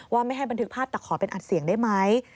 ไม่ให้บันทึกภาพแต่ขอเป็นอัดเสียงได้ไหม